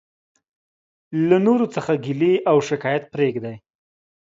له نورو څخه ګيلي او او شکايت پريږدٸ.